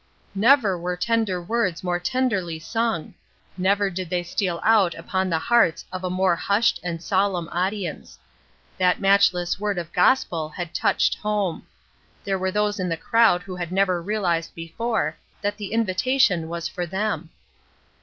'" Never were tender words more tenderly sung! Never did they steal out upon the hearts of a more hushed and solemn audience. That matchless word of gospel had touched home. There were those in the crowd who had never realized before that the invitation was for them.